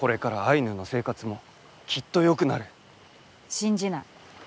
信じない。